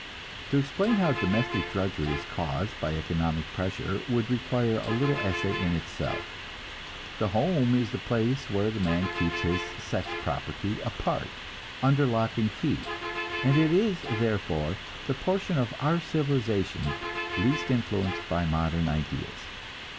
To explain how domestic drudgery is caused by economic pressure would require a little essay in itself. The home is the place where the man keeps his sex property apart under lock and key, and it is, therefore, the portion of our civilization least influenced by modern ideas.